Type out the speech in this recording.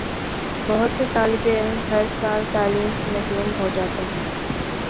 بہت سے طالب علم ہر سال تعلیم سے محروم ہو جاتے ہیں